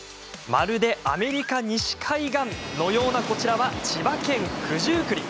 まるでアメリカ西海岸のような、こちらは千葉県・九十九里。